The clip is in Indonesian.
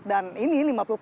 dan ini rp lima puluh